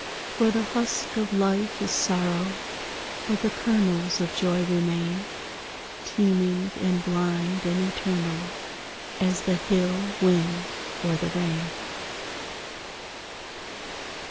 _ _For the husk of life is sorrow; But the kernels of joy remain, Teeming and blind and eternal As the hill wind or the rain.